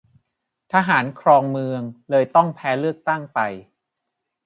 ทหารครองเมือง เลยต้องแพ้เลือกตั้งไป